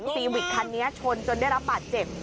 โดนรถเก๋งซีวิคคันนี้ชนจนได้รับปาดเจ็บ